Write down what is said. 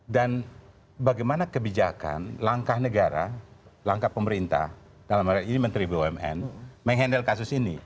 dan bagaimana kebijakan langkah negara langkah pemerintah dalam hal ini menteri bumn mengendalikan kasus ini